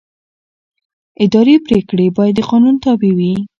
اداري پرېکړه باید د قانون تابع وي.